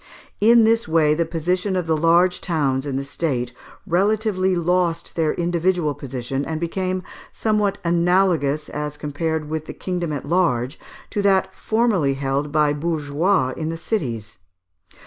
In this way the position of the large towns in the state relatively lost their individual position, and became somewhat analogous, as compared with the kingdom at large, to that formerly held by bourgeois in the cities.